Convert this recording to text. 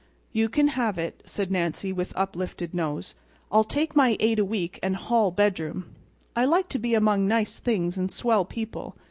"You can have it," said Nancy, with uplifted nose. "I'll take my eight a week and hall bedroom. I like to be among nice things and swell people.